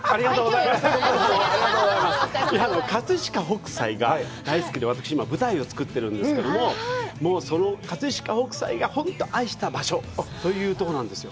葛飾北斎が大好きで、私、今、舞台を作ってるんですけど、もうその葛飾北斎が本当に愛した場所ということなんですよ。